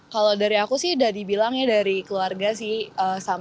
kalau dari aku sih udah dibilang ya dari keluarga sih